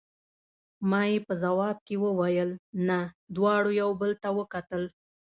ما یې په ځواب کې وویل: نه، دواړو یو بل ته وکتل.